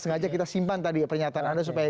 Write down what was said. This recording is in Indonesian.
sengaja kita simpan tadi pernyataan anda